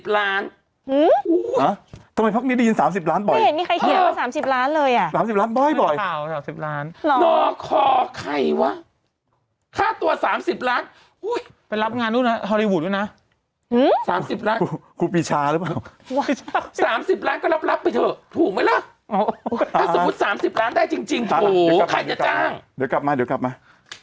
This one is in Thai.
๓๐ล้านก็รับไปเถอะถูกไหมล่ะถ้าสมมุติ๓๐ล้านได้จริงถูกใครจะจ้างเดี๋ยวกลับมาเดี๋ยวกลับมา